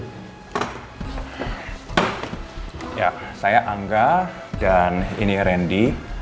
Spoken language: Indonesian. eujah saya angga dan ini rendy